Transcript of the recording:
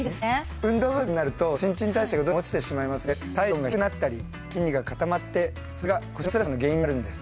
運動不足になると新陳代謝がどうしても落ちてしまいますので体温が低くなったり筋肉が固まってそれが腰のつらさの原因になるんです。